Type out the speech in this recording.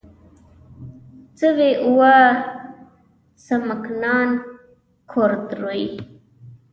سوی اوه و سمکنان کرد روی